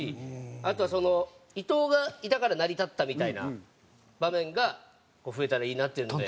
あとはその伊藤がいたから成り立ったみたいな場面が増えたらいいなっていうので。